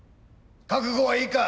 覚悟はいいか？